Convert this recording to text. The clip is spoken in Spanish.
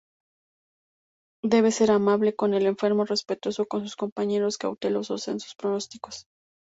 Debe ser amable con el enfermo, respetuoso con sus compañeros, cauteloso en sus pronósticos.